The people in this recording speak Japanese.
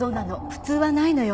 普通はないのよ。